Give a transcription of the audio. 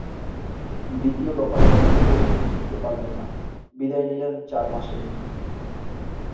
দ্বিতীয় দফায়ও খুব বেশি দিন টিকতে পারলেন না, বিদায় নিলেন চার মাসেই।